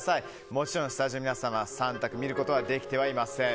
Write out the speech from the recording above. もちろんスタジオの皆さんは３択を見ることはできていません。